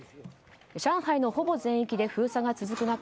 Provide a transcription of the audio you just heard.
上海のほぼ全域で封鎖が続く中